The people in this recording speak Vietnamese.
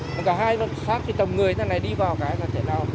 còn cả hai lần sát thì tầm người này này đi vào cái là chảy nào